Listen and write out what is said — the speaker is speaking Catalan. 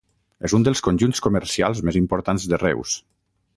És un dels conjunts comercials més importants de Reus.